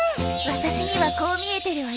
私にはこう見えてるわよ。